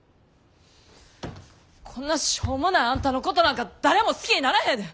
こんなしょうもないあんたのことなんか誰も好きにならへんで！